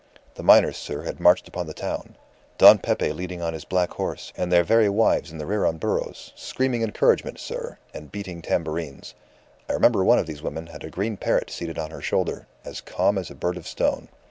The miners, sir, had marched upon the town, Don Pepe leading on his black horse, and their very wives in the rear on burros, screaming encouragement, sir, and beating tambourines. I remember one of these women had a green parrot seated on her shoulder, as calm as a bird of stone.